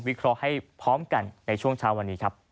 เคราะห์ให้พร้อมกันในช่วงเช้าวันนี้ครับ